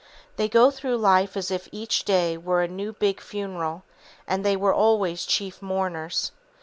They go through life as if each day were a new big funeral, and they were always chief mourners.